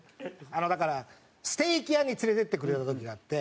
あのだからステーキ屋に連れていってくれた時があって。